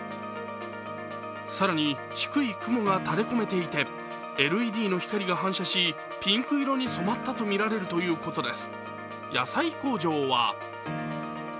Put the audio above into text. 更に、低い雲が垂れこめていてＬＥＤの光が反射し、ピンク色に染まったとみられるということです。